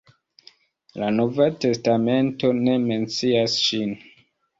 La nova testamento ne mencias ŝin.